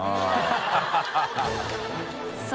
ハハハ